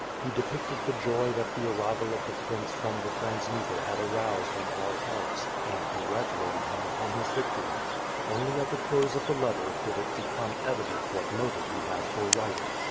He depicted the joy that the arrival of the prince from the Trans Dnieper had aroused in all hearts; and congratulated him upon his victory; only at the close of the letter, did it become evident what motive he had for writing.